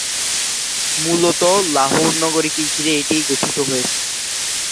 মূলত লাহোর নগরীকে ঘিরে এটি গঠিত হয়েছে।